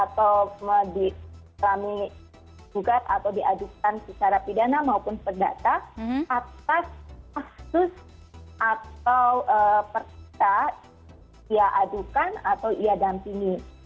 tidak boleh diadukan secara pidana maupun perdata atas kasus atau persetia adukan atau diadampingi